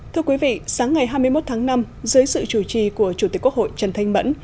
thưa quý vị sáng ngày hai mươi một tháng năm dưới sự chủ trì của chủ tịch quốc hội trần thanh mẫn